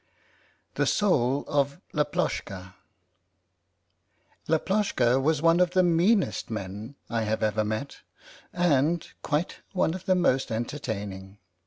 THE SOUL OF LAPLOSHKA LAPLOSHKA was one of the meanest men I have ever met, and quite one of the most entertaining.